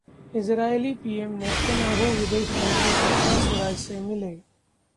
Israeli PM Netanyahu विदेश मंत्री सुषमा स्वराज से मिले